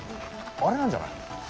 あれなんじゃない？